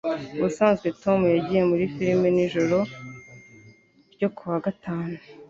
Ubusanzwe Tom yagiye muri firime nijoro ryo kuwa gatanu.